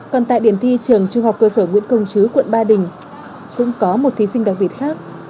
còn tại điểm thi trường trung học cơ sở nguyễn công chứ quận ba đình cũng có một thí sinh đặc biệt khác